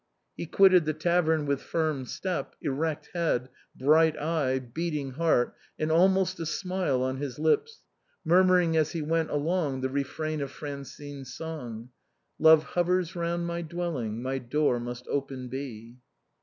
He quitted the tavern with firm step, erect head, bright eye, beating heart, and almost a smile on his lips, murmuring as he went along the refrain of Fran cine's song —" Love hovers round my dwelling. My door must open be."